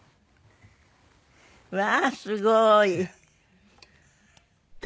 うわーすごい。